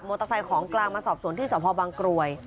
เตอร์ไซค์ของกลางมาสอบสวนที่สพบังกรวย